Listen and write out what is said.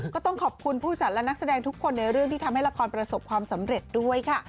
ก็ต้องขอบคุณผู้จัดและนักแสดงทุกคนในเรื่องที่ทำให้ละครประสบความสำเร็จด้วยค่ะ